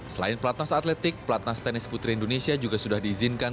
selain pelatnas atletik pelatnas tenis putri indonesia juga sudah diizinkan